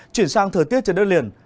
chuyển sang thời tiết trên đất liền